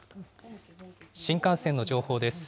新幹線の情報です。